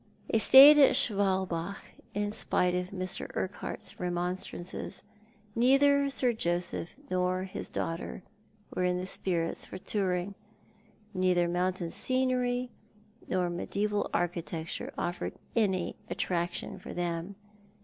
They stayed at Schwalbach, in spite of Mr. Urquhart's remonstrances. Neither Sir Joseph nor his daughter were in spirits for touring. Neither mountain scenery nor media3val architecture offered any attraction for them.